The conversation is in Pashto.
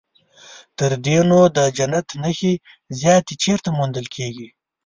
تر دې نو د جنت نښې زیاتې چیرته موندل کېږي.